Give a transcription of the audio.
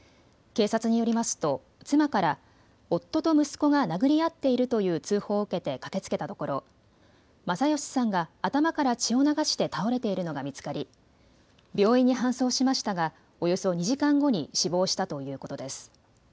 警察によりますと妻から夫と息子が殴り合っているという通報を受けて駆けつけたところ、昌良さんが頭から血を流して倒れているのが見つかり病院に搬送しましたがおよそ２時間後に死亡したということです。